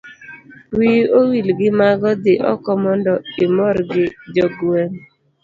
wiyi owil gi mago dhi oko mondo imorgi jogweng'